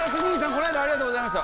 この間ありがとうございました。